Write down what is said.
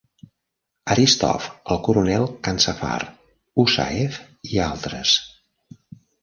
Aristov, el coronel Kanzafar Usaev i altres.